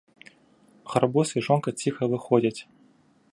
Гарбуз і жонка ціха выходзяць.